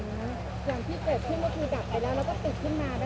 อย่างที่เกิดขึ้นเมื่อกี้ดับไปแล้วแล้วก็ติดขึ้นมาได้เลย